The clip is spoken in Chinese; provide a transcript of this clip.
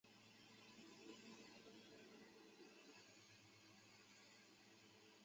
人口数最高的独立市是马里兰州巴尔的摩。